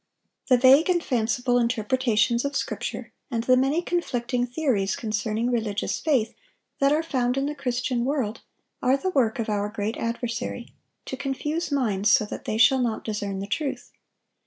The vague and fanciful interpretations of Scripture, and the many conflicting theories concerning religious faith, that are found in the Christian world, are the work of our great adversary, to confuse minds so that they shall not discern the truth.